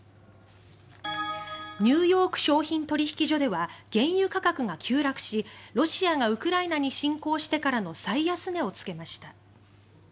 ニューヨーク商品取引所では原油価格が急落しロシアがウクライナに侵攻してからの最安値をつけました。